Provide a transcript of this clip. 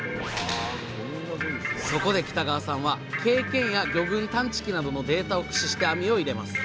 そこで北川さんは経験や魚群探知機などのデータを駆使して網を入れます。